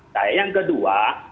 saya yang kedua